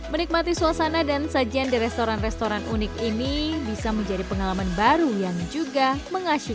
menikmati suasana dan sajian di restoran restoran unik ini bisa menjadi pengalaman baru yang juga mengasihkan